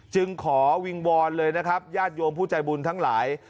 จึงขอวิงวอนเลยนะครับญาติโยมผู้ใจบุญทั้งหลาย